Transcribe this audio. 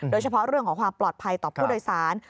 โดยเฉพาะเรื่องของความปลอดภัยต่อผู้โดยสาร